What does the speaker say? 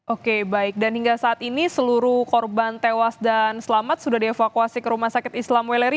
oke baik dan hingga saat ini seluruh korban tewas dan selamat sudah dievakuasi ke rumah sakit islam weleri